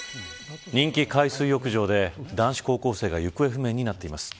人気海水浴場で、男子高校生が行方不明になっています。